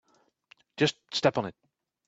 Just step on it.